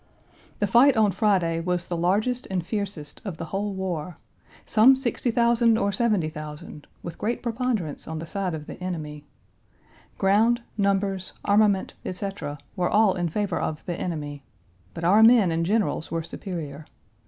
The fight on Friday was the largest and fiercest of the whole war. Some 60,000 or 70,000, with great preponderance on the side of the enemy. Ground, numbers, armament, etc., were all in favor of the enemy. But our men and generals were superior.